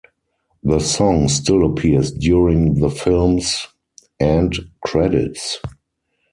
The song still appears during the films end credits.